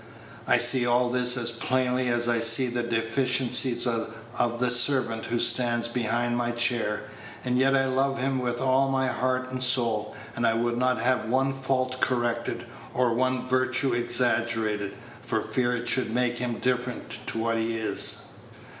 "I see all this as plainly as I see the deficiencies of the servant who stands behind my chair; and yet I love him with all my heart and soul, and I would not have one fault corrected, or one virtue exaggerated, for fear it should make him different to what he is."